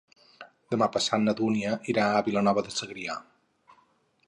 Demà passat na Dúnia irà a Vilanova de Segrià.